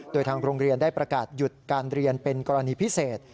โดยทางโรงเรียนได้ประกาศหยุดการเรียนเป็นกรณีพิเศษ